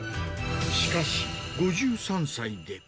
しかし、５３歳で。